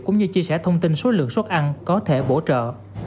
cũng như chia sẻ thông tin số lượng suất ăn có thể bổ trợ